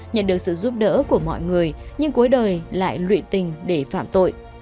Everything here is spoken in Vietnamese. nhận được sự giúp đỡ của mọi người nhưng cuối đời lại lụy tình để phạm tội